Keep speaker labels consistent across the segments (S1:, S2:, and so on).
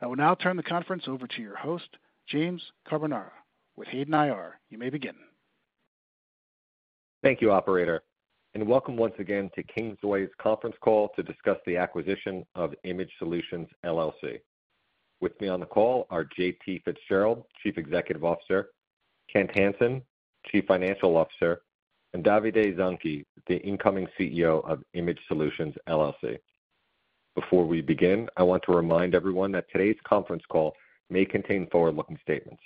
S1: I will now turn the conference over to your host, James Carbonara, with Hayden IR. You may begin.
S2: Thank you, operator, and welcome once again to Kingsway's conference call to discuss the acquisition of Image Solutions, LLC. With me on the call are J.T. Fitzgerald, Chief Executive Officer, Kent Hansen, Chief Financial Officer, and Davide Zanchi, the incoming CEO of Image Solutions, LLC. Before we begin, I want to remind everyone that today's conference call may contain forward-looking statements.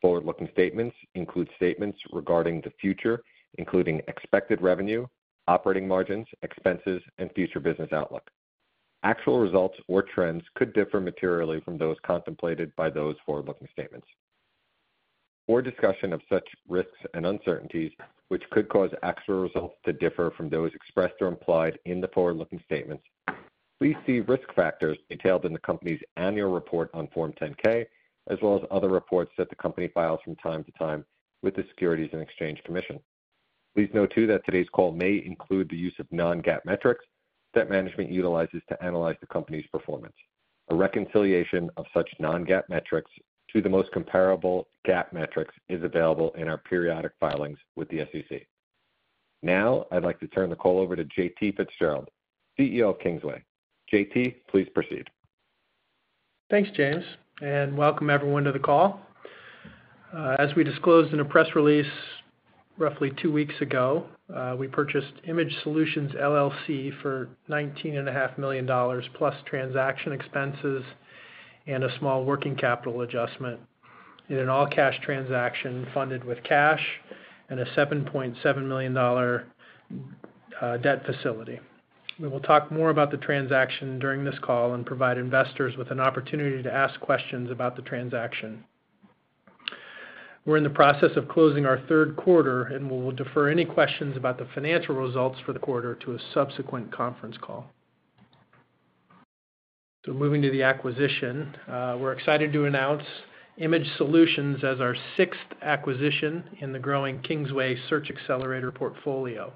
S2: Forward-looking statements include statements regarding the future, including expected revenue, operating margins, expenses, and future business outlook. Actual results or trends could differ materially from those contemplated by those forward-looking statements. For discussion of such risks and uncertainties, which could cause actual results to differ from those expressed or implied in the forward-looking statements, please see risk factors detailed in the company's annual report on Form 10-K, as well as other reports that the company files from time to time with the Securities and Exchange Commission. Please note, too, that today's call may include the use of non-GAAP metrics that management utilizes to analyze the company's performance. A reconciliation of such non-GAAP metrics to the most comparable GAAP metrics is available in our periodic filings with the SEC. Now, I'd like to turn the call over to J.T. Fitzgerald, CEO of Kingsway. J.T., please proceed.
S3: Thanks, James, and welcome everyone to the call. As we disclosed in a press release roughly two weeks ago, we purchased Image Solutions, LLC, for $19.5 million, plus transaction expenses and a small working capital adjustment, in an all-cash transaction funded with cash and a $7.7 million debt facility. We will talk more about the transaction during this call and provide investors with an opportunity to ask questions about the transaction. We're in the process of closing our third quarter, and we will defer any questions about the financial results for the quarter to a subsequent conference call, so moving to the acquisition. We're excited to announce Image Solutions as our sixth acquisition in the growing Kingsway Search Xcelerator portfolio.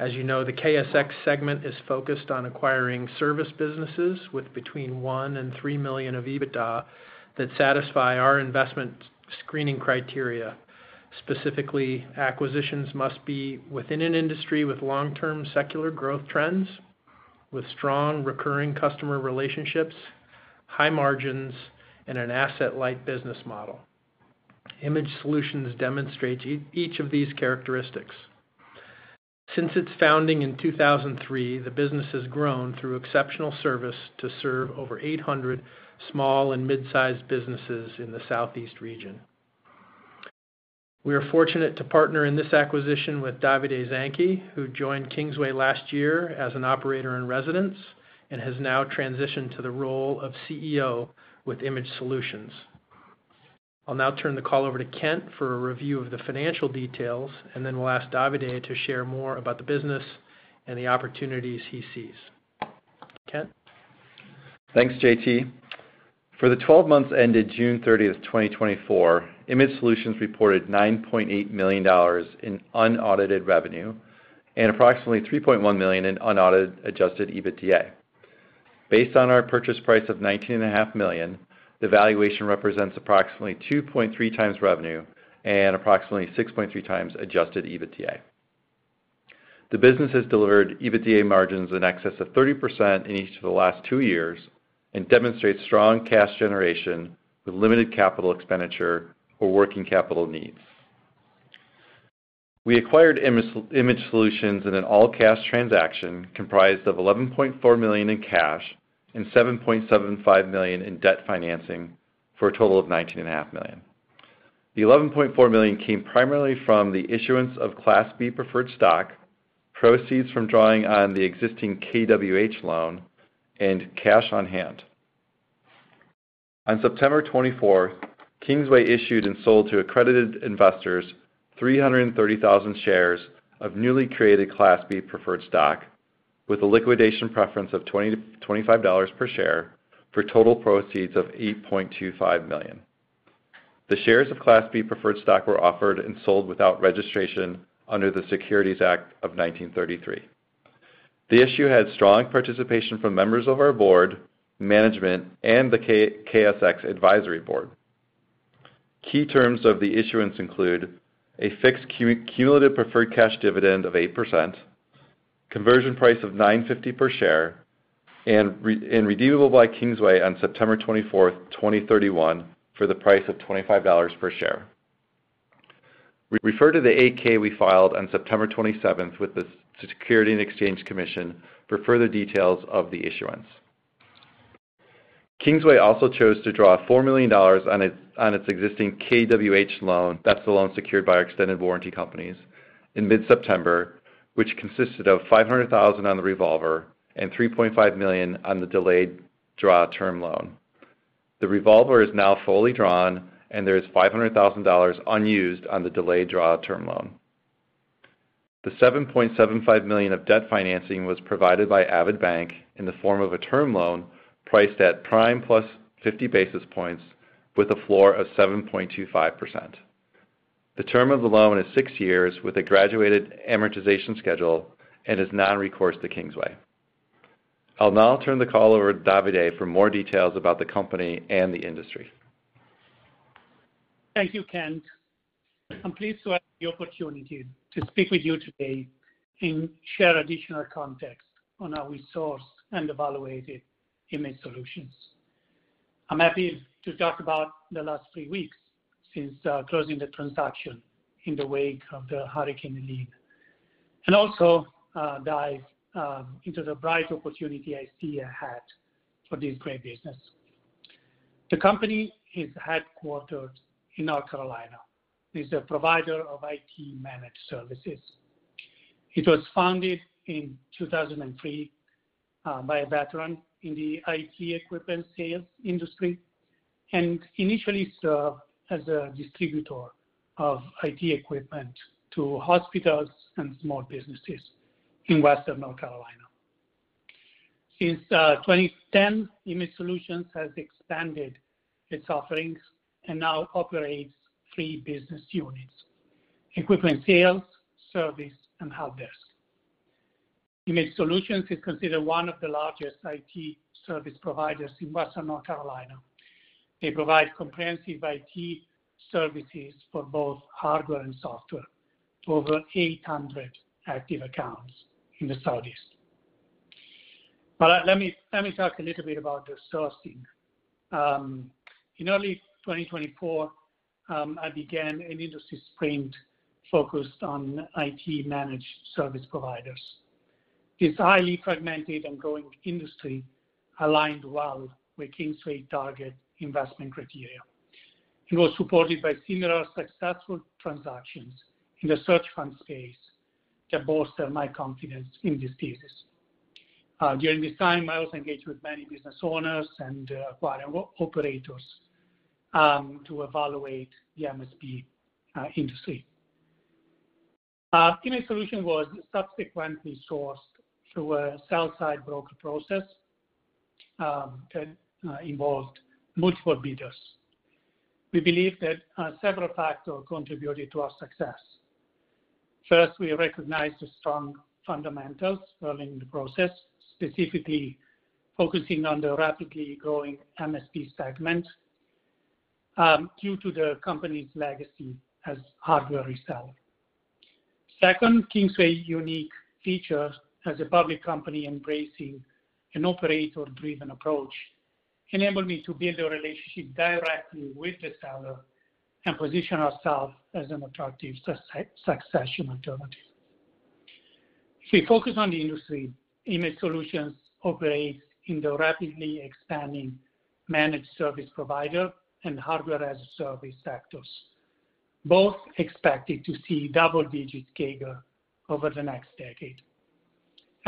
S3: As you know, the KSX segment is focused on acquiring service businesses with between one and three million of EBITDA that satisfy our investment screening criteria. Specifically, acquisitions must be within an industry with long-term secular growth trends, with strong recurring customer relationships, high margins, and an asset-light business model. Image Solutions demonstrates each of these characteristics. Since its founding in two thousand and three, the business has grown through exceptional service to serve over eight hundred small and mid-sized businesses in the Southeast region. We are fortunate to partner in this acquisition with Davide Zanchi, who joined Kingsway last year as an Operator in Residence and has now transitioned to the role of CEO with Image Solutions. I'll now turn the call over to Kent for a review of the financial details, and then we'll ask Davide to share more about the business and the opportunities he sees. Kent?
S4: Thanks, J.T. For the twelve months ended June thirtieth, 2024, Image Solutions reported $9.8 million in unaudited revenue and approximately $3.1 million in unaudited adjusted EBITDA. Based on our purchase price of $19.5 million, the valuation represents approximately 2.3 times revenue and approximately 6.3 times adjusted EBITDA. The business has delivered EBITDA margins in excess of 30% in each of the last two years and demonstrates strong cash generation with limited capital expenditure or working capital needs. We acquired Image Solutions in an all-cash transaction comprised of $11.4 million in cash and $7.75 million in debt financing, for a total of $19.5 million. The $11.4 million came primarily from the issuance of Class B Preferred Stock, proceeds from drawing on the existing KWH loan, and cash on hand. On September twenty-fourth, Kingsway issued and sold to accredited investors 330,000 shares of newly created Class B Preferred Stock with a liquidation preference of $20-$25 per share, for total proceeds of $8.25 million. The shares of Class B Preferred Stock were offered and sold without registration under the Securities Act of 1933. The issue had strong participation from members of our board, management, and the KSX Advisory Board. Key terms of the issuance include a fixed cumulative preferred cash dividend of 8%, conversion price of $9.50 per share, and redeemable by Kingsway on September twenty-fourth, 2031, for the price of $25 per share. Refer to the 8-K we filed on September twenty-seventh with the Securities and Exchange Commission for further details of the issuance. Kingsway also chose to draw $4 million on its existing KWH loan, that's the loan secured by our extended warranty companies, in mid-September, which consisted of $500,000 on the revolver and $3.5 million on the delayed draw term loan. The revolver is now fully drawn, and there is $500,000 unused on the delayed draw term loan. The $7.75 million of debt financing was provided by Avidbank in the form of a term loan priced at prime plus 50 basis points, with a floor of 7.25%. The term of the loan is six years with a graduated amortization schedule and is non-recourse to Kingsway. I'll now turn the call over to Davide for more details about the company and the industry.
S5: Thank you, Kent. I'm pleased to have the opportunity to speak with you today and share additional context on how we sourced and evaluated Image Solutions. I'm happy to talk about the last three weeks since closing the transaction in the wake of the Hurricane Helene and also dive into the bright opportunity I see ahead for this great business. The company is headquartered in North Carolina. It's a provider of IT managed services. It was founded in 2003 by a veteran in the IT equipment sales industry, and initially served as a distributor of IT equipment to hospitals and small businesses in Western North Carolina. Since 2010, Image Solutions has expanded its offerings and now operates three business units: equipment, sales, service, and help desk. Image Solutions is considered one of the largest IT service providers in Western North Carolina. They provide comprehensive IT services for both hardware and software to over 800 active accounts in the Southeast. But let me talk a little bit about the sourcing. In early twenty twenty-four, I began an industry sprint focused on IT managed service providers. This highly fragmented and growing industry aligned well with Kingsway target investment criteria. It was supported by similar successful transactions in the search fund space that bolster my confidence in this thesis. During this time, I also engaged with many business owners and acquiring operators to evaluate the MSP industry. Image Solutions was subsequently sourced through a sell-side broker process that involved multiple bidders. We believe that several factors contributed to our success. First, we recognized the strong fundamentals early in the process, specifically focusing on the rapidly growing MSP segment, due to the company's legacy as hardware reseller. Second, Kingsway's unique feature as a public company embracing an operator-driven approach enabled me to build a relationship directly with the seller and position ourselves as an attractive succession alternative. We focus on the industry. Image Solutions operates in the rapidly expanding managed service provider and Hardware-as-a-Service sectors, both expected to see double-digit CAGR over the next decade.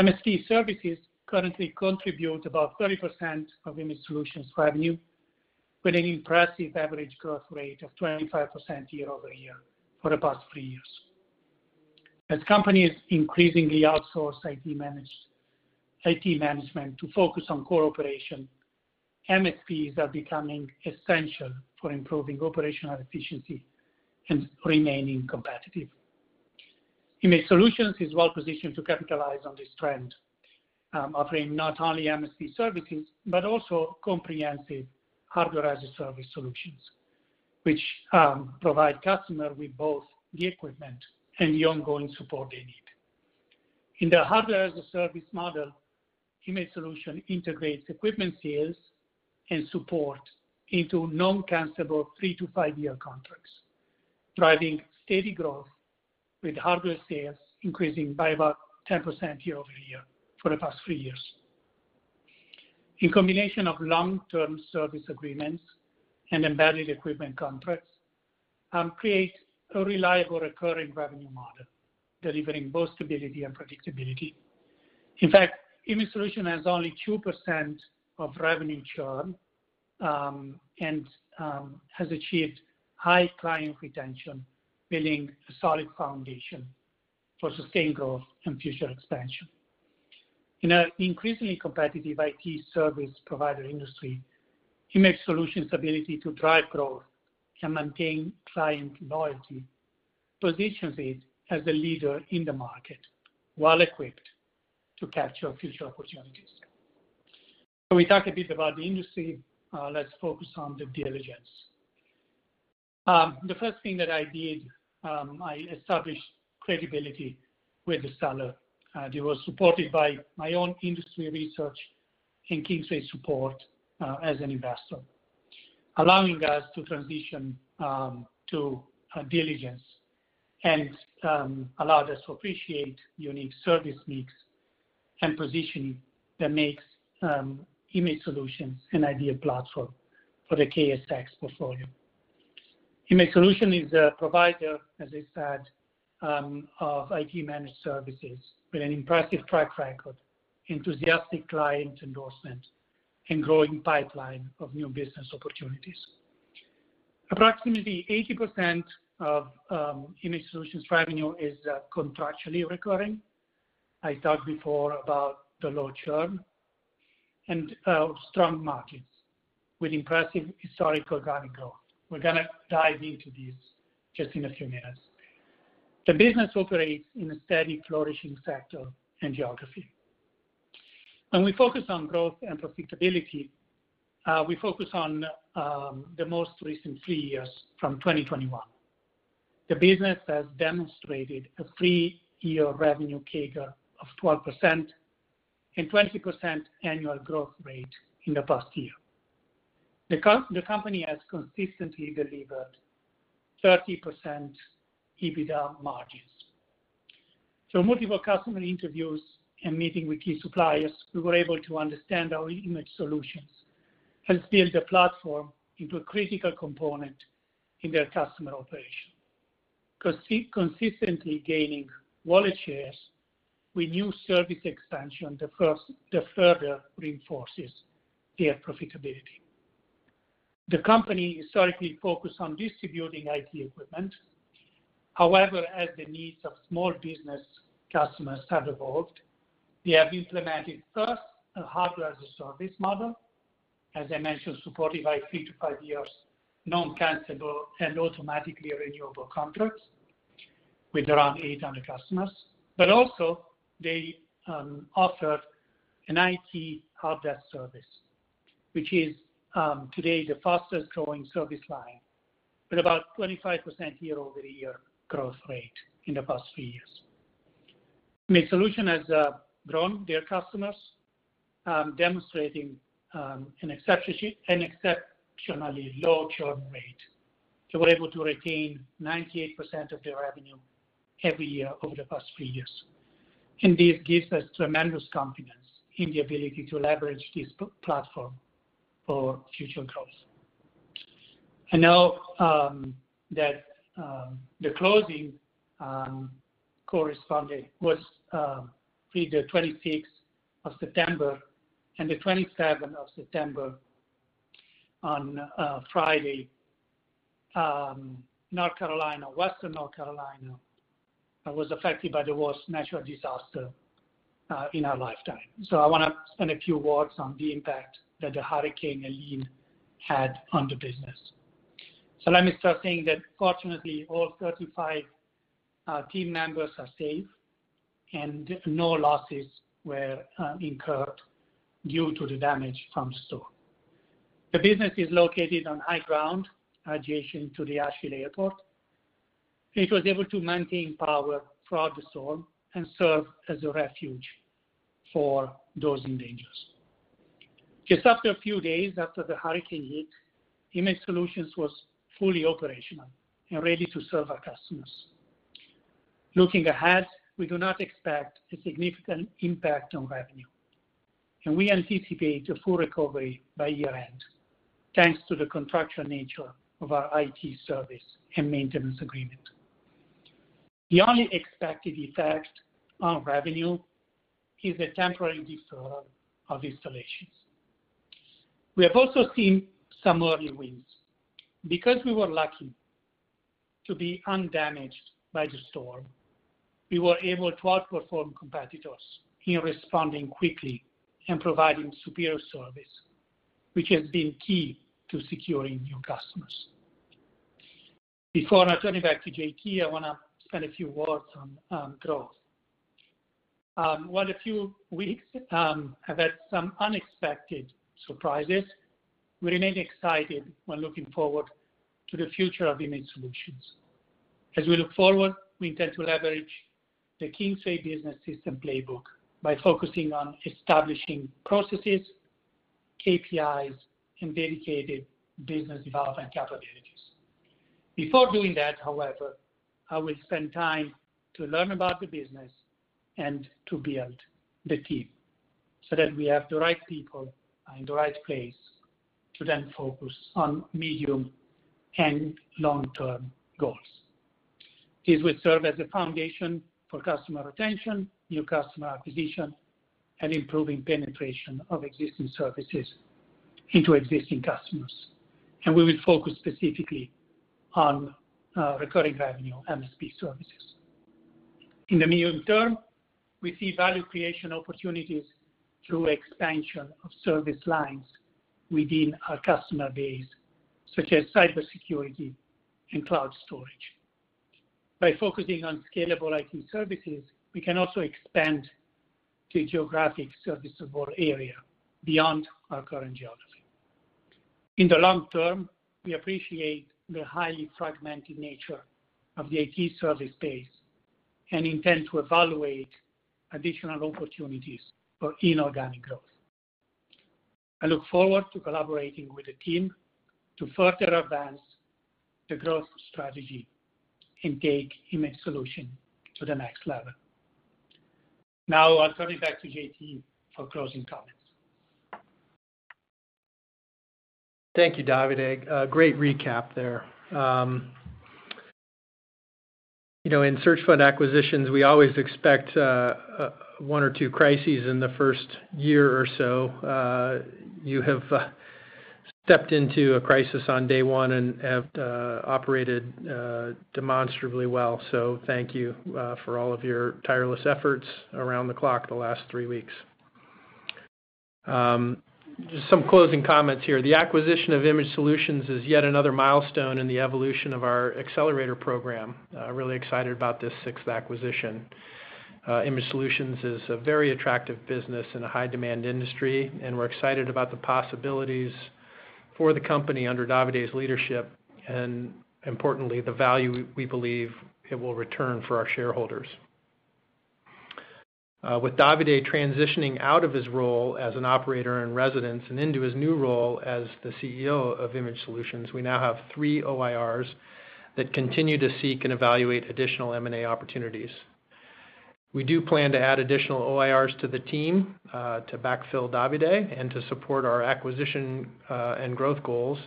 S5: MSP services currently contribute about 30% of Image Solutions' revenue, with an impressive average growth rate of 25% year over year for the past three years. As companies increasingly outsource IT management to focus on core operation, MSPs are becoming essential for improving operational efficiency and remaining competitive. Image Solutions is well positioned to capitalize on this trend, offering not only MSP services, but also comprehensive Hardware-as-a-Service solutions, which provide customer with both the equipment and the ongoing support they need. In the Hardware-as-a-Service model, Image Solutions integrates equipment sales and support into noncancelable three- to five-year contracts, driving steady growth, with hardware sales increasing by about 10% year over year for the past three years. In combination of long-term service agreements and embedded equipment contracts create a reliable recurring revenue model, delivering both stability and predictability. In fact, Image Solutions has only 2% of revenue churn, and has achieved high client retention, building a solid foundation for sustained growth and future expansion. In an increasingly competitive IT service provider industry, Image Solutions' ability to drive growth and maintain client loyalty positions it as a leader in the market, well-equipped to capture future opportunities. So we talked a bit about the industry, let's focus on the diligence. The first thing that I did, I established credibility with the seller. It was supported by my own industry research and Kingsway support, as an investor, allowing us to transition to diligence and allowed us to appreciate unique service needs and positioning that makes Image Solutions an ideal platform for the KSX portfolio. Image Solutions is a provider, as I said, of IT managed services with an impressive track record, enthusiastic client endorsement, and growing pipeline of new business opportunities. Approximately 80% of Image Solutions' revenue is contractually recurring. I talked before about the low churn and strong markets with impressive historical organic growth. We're gonna dive into this just in a few minutes. The business operates in a steady, flourishing sector and geography. When we focus on growth and profitability, we focus on the most recent three years from 2021. The business has demonstrated a three-year revenue CAGR of 12% and 20% annual growth rate in the past year. The company has consistently delivered 30% EBITDA margins. Through multiple customer interviews and meeting with key suppliers, we were able to understand how Image Solutions has built a platform into a critical component in their customer operation. Consistently gaining wallet share with new service expansion that further reinforces their profitability. The company historically focused on distributing IT equipment. However, as the needs of small business customers have evolved, they have implemented first a Hardware-as-a-Service model, as I mentioned, supported by three to five years, non-cancellable, and automatically renewable contracts with around eight hundred customers. But also they offer an IT helpdesk service, which is today the fastest growing service line, with about 25% year-over-year growth rate in the past few years. The solution has grown their customers, demonstrating an exceptionally low churn rate. They were able to retain 98% of their revenue every year over the past few years, and this gives us tremendous confidence in the ability to leverage this platform for future growth. I know that the closing occurred on the twenty-sixth of September, and the twenty-seventh of September on Friday in North Carolina, Western North Carolina was affected by the worst natural disaster in our lifetime. So I want to spend a few words on the impact that the Hurricane Helene had on the business. So let me start saying that fortunately, all 35 team members are safe, and no losses were incurred due to the damage from storm. The business is located on high ground, adjacent to the Asheville Airport. It was able to maintain power throughout the storm and serve as a refuge for those in danger. Just after a few days after the hurricane hit, Image Solutions was fully operational and ready to serve our customers. Looking ahead, we do not expect a significant impact on revenue, and we anticipate a full recovery by year-end, thanks to the contractual nature of our IT service and maintenance agreement. The only expected effect on revenue is a temporary disorder of installations. We have also seen some early wins. Because we were lucky to be undamaged by the storm, we were able to outperform competitors in responding quickly and providing superior service, which has been key to securing new customers. Before I turn it back to JT, I wanna spend a few words on, growth. While a few weeks have had some unexpected surprises, we remain excited when looking forward to the future of Image Solutions. As we look forward, we intend to leverage the Kingsway Business System playbook by focusing on establishing processes, KPIs, and dedicated business development capabilities. Before doing that, however, I will spend time to learn about the business and to build the team, so that we have the right people in the right place to then focus on medium- and long-term goals. This will serve as a foundation for customer retention, new customer acquisition, and improving penetration of existing services into existing customers, and we will focus specifically on recurring revenue MSP services. In the medium term, we see value creation opportunities through expansion of service lines within our customer base, such as cybersecurity and cloud storage. By focusing on scalable IT services, we can also expand the geographic service of our area beyond our current geography. In the long term, we appreciate the highly fragmented nature of the IT service space and intend to evaluate additional opportunities for inorganic growth. I look forward to collaborating with the team to further advance the growth strategy and take Image Solutions to the next level. Now, I'll turn it back to JT for closing comments.
S3: Thank you, Davide. Great recap there. You know, in search fund acquisitions, we always expect one or two crises in the first year or so. You have stepped into a crisis on day one and have operated demonstrably well. So thank you for all of your tireless efforts around the clock the last three weeks. Just some closing comments here. The acquisition of Image Solutions is yet another milestone in the evolution of our accelerator program. Really excited about this sixth acquisition. Image Solutions is a very attractive business in a high-demand industry, and we're excited about the possibilities for the company under Davide's leadership, and importantly, the value we believe it will return for our shareholders. With Davide transitioning out of his role as an Operator in Residence and into his new role as the CEO of Image Solutions, we now have three OIRs that continue to seek and evaluate additional M&A opportunities. We do plan to add additional OIRs to the team, to backfill Davide and to support our acquisition, and growth goals,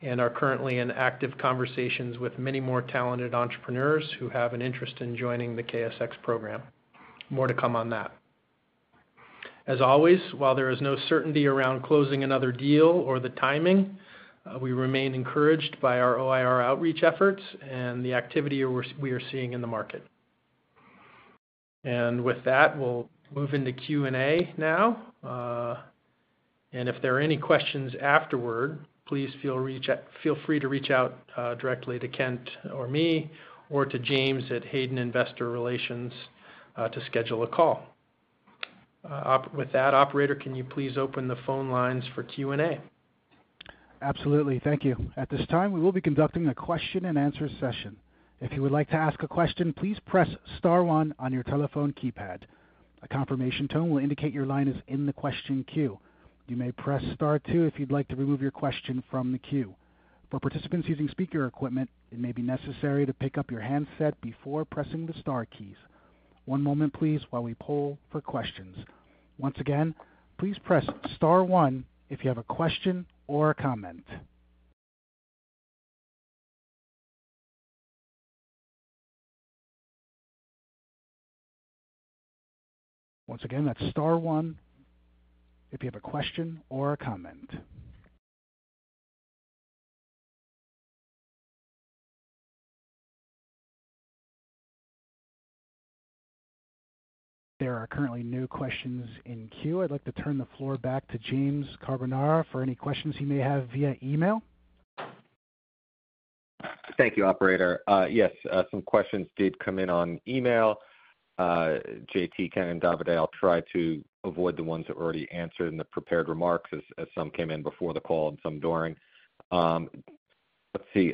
S3: and are currently in active conversations with many more talented entrepreneurs who have an interest in joining the KSX program. More to come on that. As always, while there is no certainty around closing another deal or the timing, we remain encouraged by our OIR outreach efforts and the activity we are seeing in the market, and with that, we'll move into Q&A now. And if there are any questions afterward, please feel free to reach out directly to Kent or me, or to James at Hayden Investor Relations, to schedule a call. With that, operator, can you please open the phone lines for Q&A?
S1: Absolutely. Thank you. At this time, we will be conducting a question and answer session. If you would like to ask a question, please press star one on your telephone keypad. A confirmation tone will indicate your line is in the question queue. You may press star two if you'd like to remove your question from the queue. For participants using speaker equipment, it may be necessary to pick up your handset before pressing the star keys. One moment, please, while we pull for questions. Once again, please press star one if you have a question or a comment. Once again, that's star one if you have a question or a comment. There are currently no questions in queue. I'd like to turn the floor back to James Carbonara for any questions he may have via email.
S2: Thank you, operator. Yes, some questions did come in on email. JT, Kent, and Davide, I'll try to avoid the ones that were already answered in the prepared remarks as some came in before the call and some during. Let's see.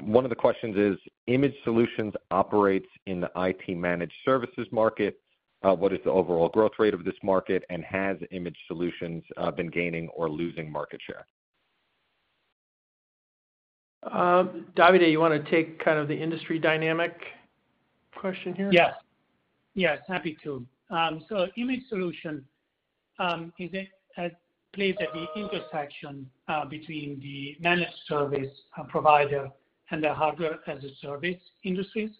S2: One of the questions is: Image Solutions operates in the IT managed services market. What is the overall growth rate of this market, and has Image Solutions been gaining or losing market share?
S3: Davide, you wanna take kind of the industry dynamic question here?
S5: Yes. Yes, happy to. So Image Solutions is placed at the intersection between the managed service provider and the Hardware-as-a-Service industries.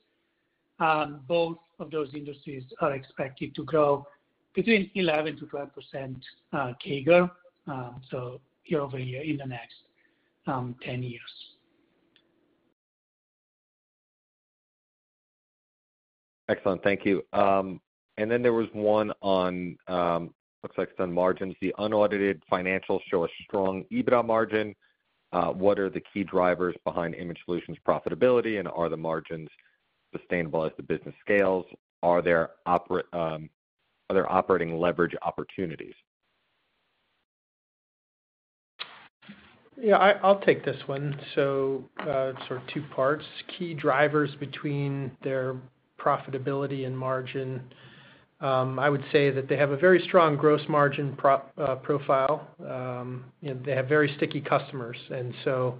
S5: Both of those industries are expected to grow between 11% to 12% CAGR year over year in the next 10 years.
S2: Excellent. Thank you. And then there was one on, looks like it's on margins. The unaudited financials show a strong EBITDA margin. What are the key drivers behind Image Solutions profitability, and are the margins sustainable as the business scales? Are there operating leverage opportunities?
S3: Yeah, I'll take this one. So, sort of two parts. Key drivers between their profitability and margin. I would say that they have a very strong gross margin profile. And they have very sticky customers, and so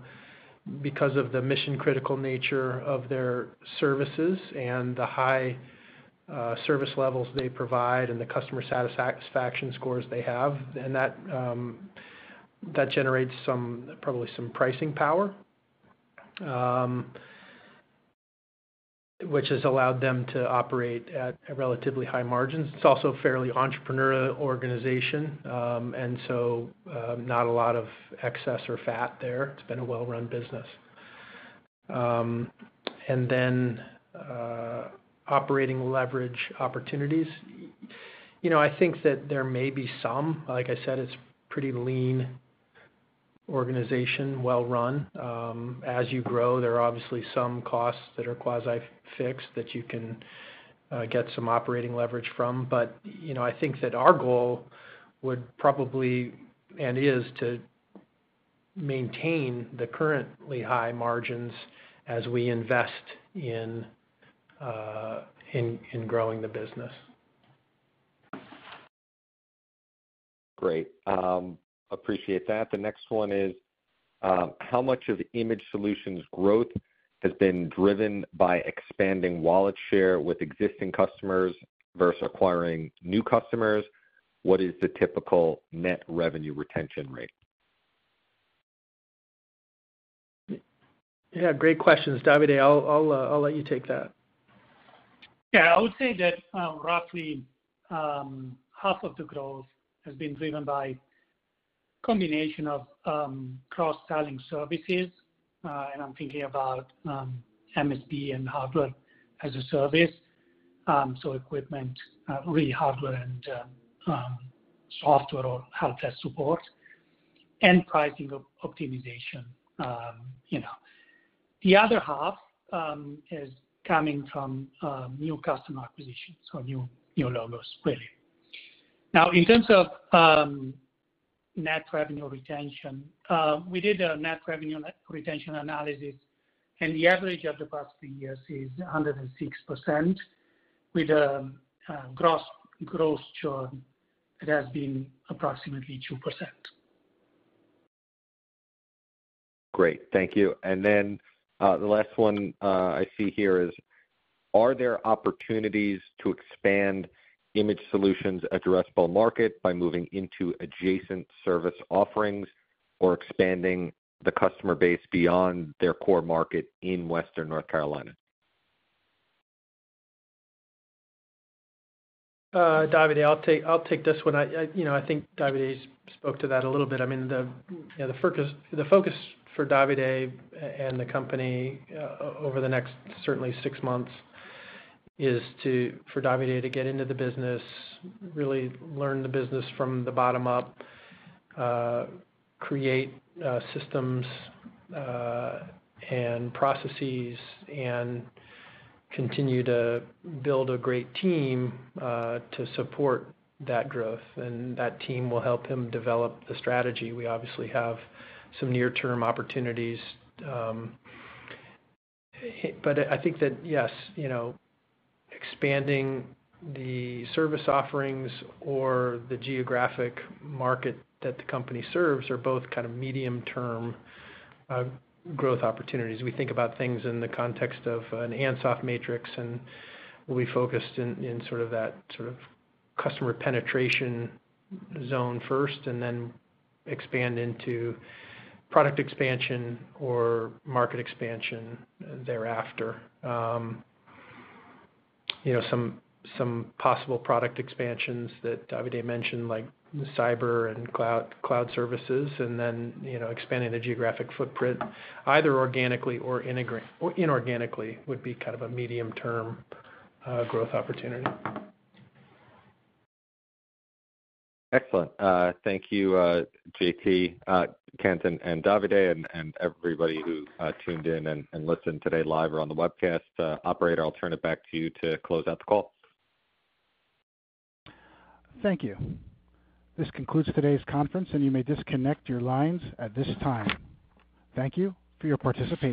S3: because of the mission-critical nature of their services and the high service levels they provide and the customer satisfaction scores they have, and that generates some, probably some pricing power, which has allowed them to operate at a relatively high margins. It's also a fairly entrepreneurial organization, and so, not a lot of excess or fat there. It's been a well-run business. And then, operating leverage opportunities. You know, I think that there may be some. Like I said, it's pretty lean organization, well-run. As you grow, there are obviously some costs that are quasi-fixed that you can get some operating leverage from. But, you know, I think that our goal would probably, and is to maintain the currently high margins as we invest in growing the business.
S2: Great. Appreciate that. The next one is, how much of Image Solutions growth has been driven by expanding wallet share with existing customers versus acquiring new customers? What is the typical net revenue retention rate?
S3: Yeah, great questions, Davide. I'll let you take that.
S5: Yeah, I would say that, roughly, half of the growth has been driven by combination of, cross-selling services, and I'm thinking about, MSP and Hardware-as-a-Service. So equipment, really hardware and, software or helpdesk support and pricing optimization, you know. The other half, is coming from, new customer acquisitions, so new logos, really. Now, in terms of, net revenue retention, we did a net revenue retention analysis, and the average of the past three years is 106% with a, gross churn that has been approximately 2%.
S2: Great, thank you. And then, the last one, I see here is: Are there opportunities to expand Image Solutions addressable market by moving into adjacent service offerings or expanding the customer base beyond their core market in Western North Carolina?
S3: Davide, I'll take this one. You know, I think Davide's spoke to that a little bit. I mean, you know, the focus for Davide and the company, over the next certainly six months, is to, for Davide to get into the business, really learn the business from the bottom up, create systems and processes, and continue to build a great team to support that growth. And that team will help him develop the strategy. We obviously have some near-term opportunities, but I think that, yes, you know, expanding the service offerings or the geographic market that the company serves are both kind of medium-term growth opportunities. We think about things in the context of an Ansoff Matrix, and we'll be focused in sort of that customer penetration zone first, and then expand into product expansion or market expansion thereafter. You know, some possible product expansions that Davide mentioned, like cyber and cloud, cloud services, and then, you know, expanding the geographic footprint, either organically or inorganically, would be kind of a medium-term growth opportunity.
S2: Excellent. Thank you, J.T., Kent, and Davide, and everybody who tuned in and listened today live or on the webcast. Operator, I'll turn it back to you to close out the call.
S1: Thank you. This concludes today's conference, and you may disconnect your lines at this time. Thank you for your participation.